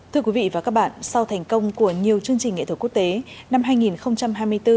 thưa quý vị và các bạn sau thành công của nhiều chương trình nghệ thuật quốc tế năm hai nghìn hai mươi bốn